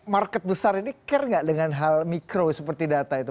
market besar ini care nggak dengan hal mikro seperti data itu